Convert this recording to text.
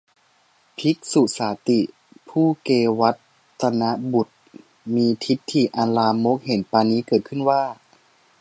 ภิกษุสาติ ผู้เกวัฏฏบุตร มีทิฏฐิอันลามกเห็นปานนี้เกิดขึ้นว่า